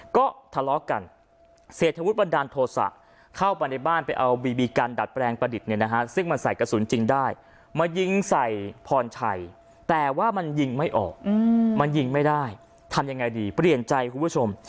ก็ทะเลาะกันเศรษฐวุฒิบันดาลโทษะเข้าไปในบ้านไปเอาบีบีกันดัดแปลงประดิษฐ์เนี่ยนะฮะซึ่งมันใส่กระสุนจริงได้มายิงใส่พรชัยแต่ว่ามันยิงไม่ออกมันยิงไม่ได้ทำยังไงดีเปลี่ยนใจคุณผู้ชม